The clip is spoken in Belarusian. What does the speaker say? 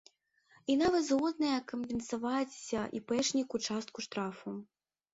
І нават згодныя кампенсаваць іпэшніку частку штрафу.